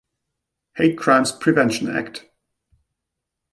Hate Crimes Prevention Act.